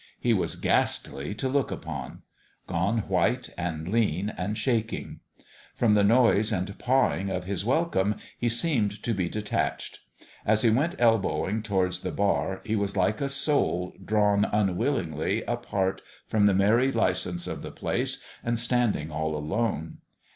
He was ghastly to look upon : gone white and lean and shaking. From the noise and pawing of his welcome he seemed to be detached. As he went elbowing towards the bar he was like a soul drawn unwillingly apart from the merry license of the place and standing all alone.